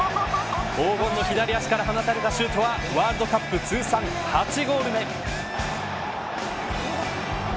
黄金の左足から放たれたシュートはワールドカップ通算８ゴール目。